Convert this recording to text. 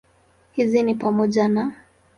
Hizi ni pamoja na